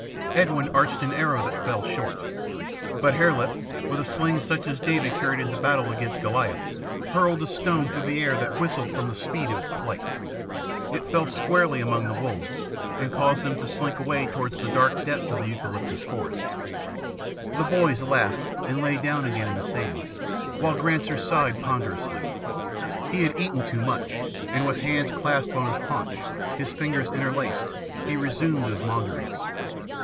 Edwin arched an arrow that fell short. But Hare Lip, with a sling such as David carried into battle against Goliath, hurled a stone through the air that whistled from the speed of its flight. It fell squarely among the wolves and caused them to slink away toward the dark depths of the eucalyptus forest. [Illustration: With a sling such as David carried 036] The boys laughed and lay down again in the sand, while Granser sighed ponderously. He had eaten too much, and, with hands clasped on his paunch, the fingers interlaced, he resumed his maunderings.